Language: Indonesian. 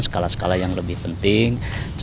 sekala sekala yang lebih penting